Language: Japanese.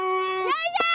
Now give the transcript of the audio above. よいしょ！